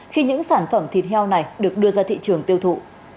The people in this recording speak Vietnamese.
khi những sản phẩm thịt heo này được đưa ra thị trường tiêu thụ